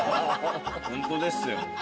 ホントですよ。